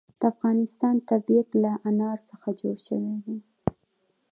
د افغانستان طبیعت له انار څخه جوړ شوی دی.